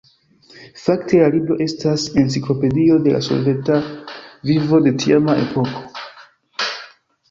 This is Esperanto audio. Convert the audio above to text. Fakte la libro estas enciklopedio de la soveta vivo de tiama epoko.